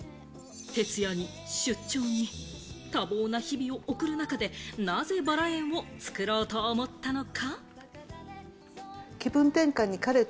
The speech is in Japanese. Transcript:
徹夜に、出張に、多忙な日々を送る中で、なぜバラ園を作ろうと思ったのか？